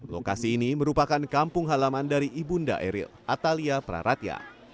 lokasi ini merupakan kampung halaman dari ibunda eril atalia praratya